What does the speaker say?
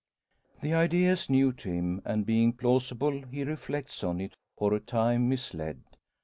The idea is new to him, and being plausible, he reflects on it, for a time misled.